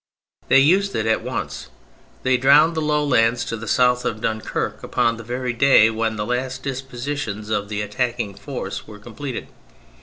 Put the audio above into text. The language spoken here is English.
They used it at once : they drowned the low lands to the south of Dunquerque, upon the very day when the last dispositions of the attacking force were completed.